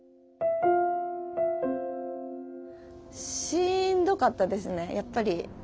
しんどかったですねやっぱり。